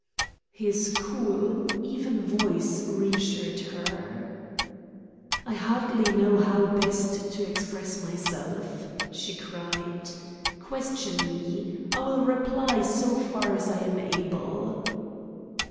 His cool, even voice reassured her. "I hardly know how best to express myself," she cried. "Question me. I will reply so far as I am able."